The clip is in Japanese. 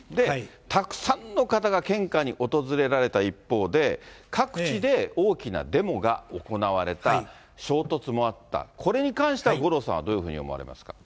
たくさんの方が献花に訪れられた一方で、各地で大きなデモが行われた衝突もあった、これに関しては、五郎さんはどういうふうに思われますか？